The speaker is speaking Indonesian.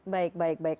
baik baik baik